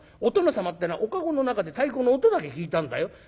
お殿様ってえのはお駕籠の中で太鼓の音だけ聞いたんだよ。